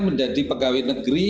menjadi pegawai negeri